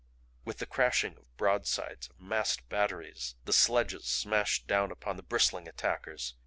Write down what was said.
With the crashing of broadsides of massed batteries the sledges smashed down upon the bristling attackers.